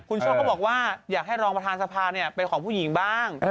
คุณโชคก็บอกว่าอยากให้รองประธานสภาเป็นของผู้หญิงบ้าง